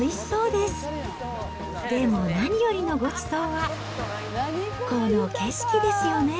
でも何よりのごちそうは、この景色ですよね。